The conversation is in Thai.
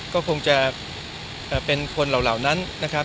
ก็คงจะเป็นคนเหล่านั้นนะครับ